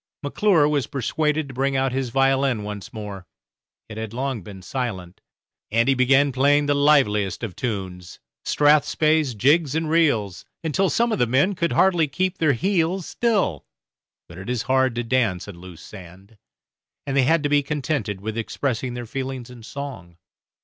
McClure was persuaded to bring out his violin once more it had been long silent and he began playing the liveliest of tunes, strathspeys, jigs, and reels, until some of the men could hardly keep their heels still, but it is hard to dance on loose sand, and they had to be contented with expressing their feelings in song.